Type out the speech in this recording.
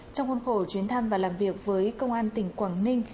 trong khuôn khổ chuyến thăm và làm việc với công an tỉnh quảng ninh